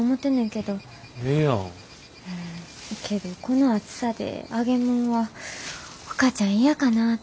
けどこの暑さで揚げもんはお母ちゃん嫌かなって。